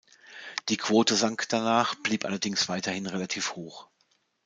Die Quote sank danach, blieb allerdings weiterhin relativ hoch.